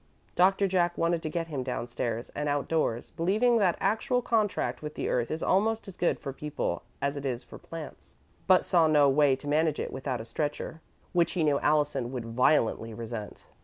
Doctor Jack wanted to get him downstairs and outdoors, believing that actual contact with the earth is almost as good for people as it is for plants, but saw no way to manage it without a stretcher, which he knew Allison would violently resent.